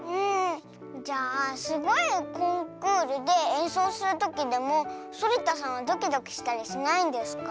じゃあすごいコンクールでえんそうするときでもそりたさんはドキドキしたりしないんですか？